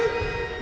何？